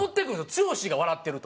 剛が笑ってると。